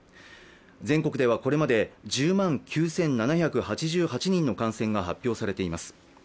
全国ではこれまで１０万９７８８人の感染が発表されています。